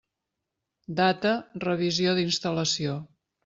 Data revisió d'instal·lació.